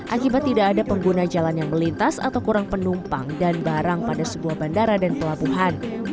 akibat tidak ada pengguna jalan yang melintas atau kurang penumpang dan barang pada sebuah bandara dan pelabuhan